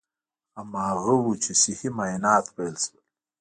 هماغه و چې صحي معاینات پیل شول.